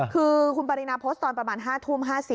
คือคุณปรินาโพสต์ตอนประมาณ๕ทุ่ม๕๐